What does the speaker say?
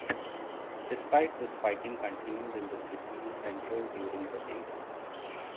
Despite this fighting continued in the city centre during the day.